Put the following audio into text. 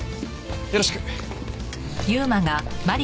よろしく。